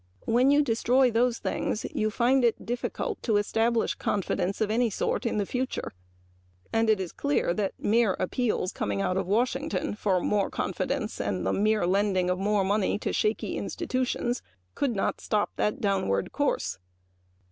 When you destroy these things you will find it difficult to establish confidence of any sort in the future. It was clear that mere appeals from Washington for confidence and the mere lending of more money to shaky institutions could not stop this downward course.